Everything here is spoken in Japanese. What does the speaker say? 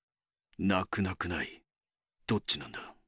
なくなくないどっちなんだ。